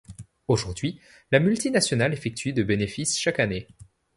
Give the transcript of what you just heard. Aujourd'hui, la multinationale effectue de bénéfices chaque année.